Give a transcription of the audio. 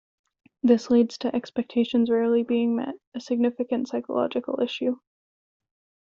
This leads to expectations rarely being met, a significant psychological issue.